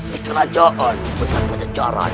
di kerajaan besar besar jaran